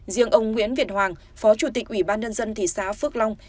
riêng ông nguyễn việt hoàng phó chủ tịch ủy ban nhân dân thị xã phước long